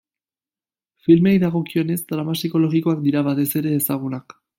Filmei dagokienez, drama psikologikoak dira batez ere ezagunak.